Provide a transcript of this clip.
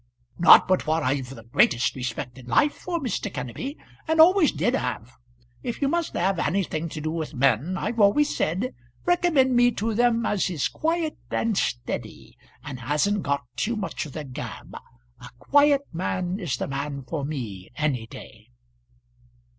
"Not but what I've the greatest respect in life for Mr. Kenneby, and always did have. If you must have anything to do with men, I've always said, recommend me to them as is quiet and steady, and hasn't got too much of the gab; a quiet man is the man for me any day."